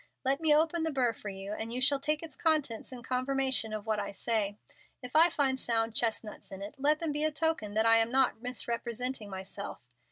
"Let me open the burr for you, and you shall take its contents in confirmation of what I say. If I find sound chestnuts in it, let them be a token that I am not misrepresenting myself.